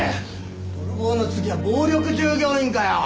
泥棒の次は暴力従業員かよ。